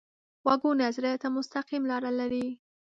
غږونه زړه ته مستقیم لاره لري